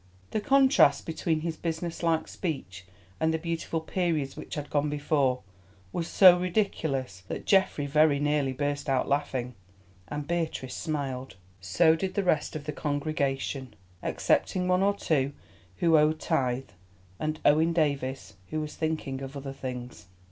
The contrast between this business like speech, and the beautiful periods which had gone before, was so ridiculous that Geoffrey very nearly burst out laughing, and Beatrice smiled. So did the rest of the congregation, excepting one or two who owed tithe, and Owen Davies, who was thinking of other things.